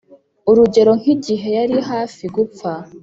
urugero nk igihe yari hafi gupfa